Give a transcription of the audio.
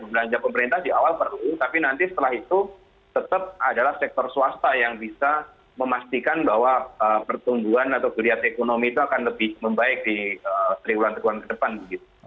belanja pemerintah di awal perlu tapi nanti setelah itu tetap adalah sektor swasta yang bisa memastikan bahwa pertumbuhan atau geliat ekonomi itu akan lebih membaik di triwulan terulang ke depan begitu